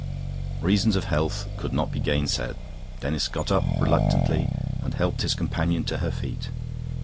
Reasons of health could not be gainsaid. Denis got up reluctantly, and helped his companion to her feet.